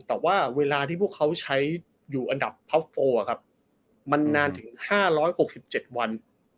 แต่ว่าเวลาที่พวกเขาใช้อยู่อันดับท็อปโฟร์อะครับมันนานถึงห้าร้อยหกสิบเจ็ดวัน